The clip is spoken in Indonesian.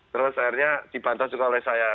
terus akhirnya dibantah juga oleh saya